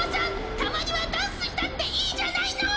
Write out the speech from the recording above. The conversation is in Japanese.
たまにはダンスしたっていいじゃないの！